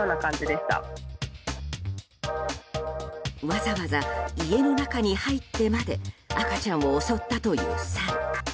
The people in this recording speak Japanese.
わざわざ家の中に入ってまで赤ちゃんを襲ったというサル。